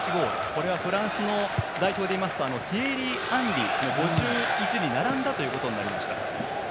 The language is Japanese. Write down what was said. これはフランスの代表でいうとティエリ・アンリの５１に並んだということになりました。